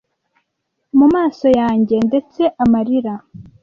mu maso yanjye ndetse amarira